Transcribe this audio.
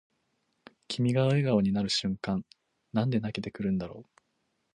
君が笑顔になる瞬間なんで泣けてくるんだろう